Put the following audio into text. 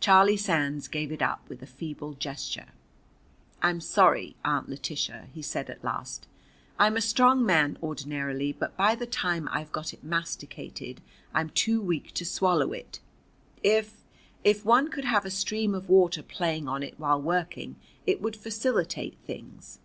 Charlie Sands gave it up with a feeble gesture. "I'm sorry, Aunt Letitia," he said at last; "I'm a strong man ordinarily, but by the time I've got it masticated I'm too weak to swallow it. If if one could have a stream of water playing on it while working, it would facilitate things."